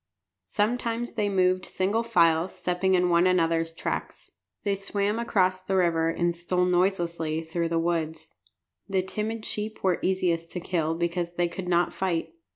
Sometimes they moved single file, stepping in one another's tracks. They swam across the river and stole noiselessly through the woods. The timid sheep were easiest to kill because they could not fight.